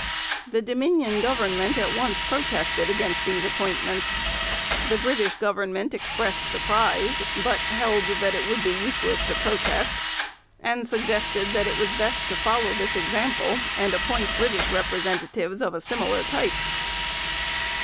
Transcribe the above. The Dominion Government at once protested against these appointments. The British Government expressed surprise, but held that it would be useless to protest, and suggested that it was best to follow this example and appoint British representatives of a similar type.